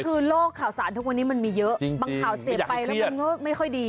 คือโลกข่าวสารทุกวันนี้มันมีเยอะบางข่าวเสพไปแล้วมันก็ไม่ค่อยดี